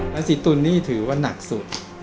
ราศีตุลนี่ถือว่านักสุด